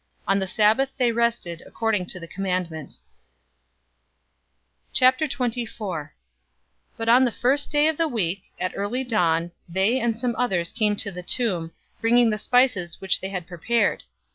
On the Sabbath they rested according to the commandment. 024:001 But on the first day of the week, at early dawn, they and some others came to the tomb, bringing the spices which they had prepared.